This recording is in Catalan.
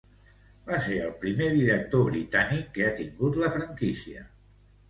Va ser el primer director britànic que ha tingut la franquícia.